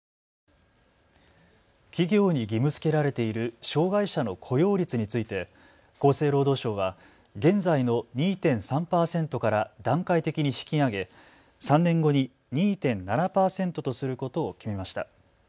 企業に義務づけられている障害者の雇用率について厚生労働省は現在の２．３％から段階的に引き上げ３年後に２．７％とすることを決めました。